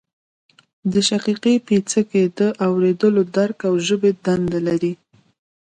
د شقیقې پیڅکی د اوریدلو درک او ژبې دنده لري